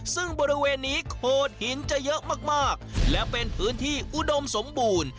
ซึ่งบริเวณนี้โขดหินจะเยอะมากและเป็นพื้นที่อุดมสมบูรณ์